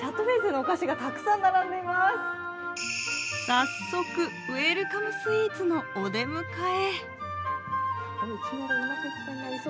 早速ウェルカムスイーツのお出迎え。